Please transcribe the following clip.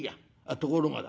ところがだ